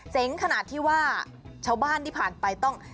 ขนาดที่ว่าชาวบ้านที่ผ่านไปต้อง